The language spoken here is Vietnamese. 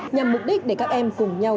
nhằm mục đích để các em cùng nhau